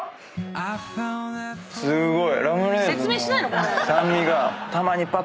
すごい。